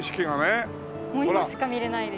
もう今しか見られないです。